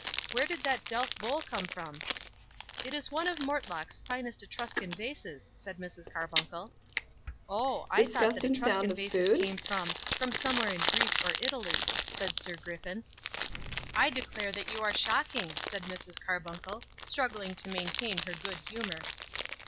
"Where did that Delph bowl come from?" "It is one of Mortlock's finest Etruscan vases," said Mrs. Carbuncle. "Oh, I thought that Etruscan vases came from from somewhere in Greece or Italy," said Sir Griffin. "I declare that you are shocking," said Mrs. Carbuncle, struggling to maintain her good humour.